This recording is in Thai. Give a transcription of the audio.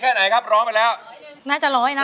มาฟังอินโทรเพลงที่๑๐